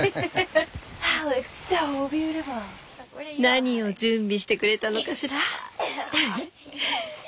何を準備してくれたのかしら？